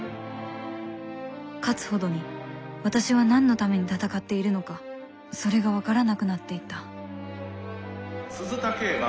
勝つほどに私は何のために戦っているのかそれが分からなくなっていった鈴田競馬